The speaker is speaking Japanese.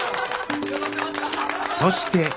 そして。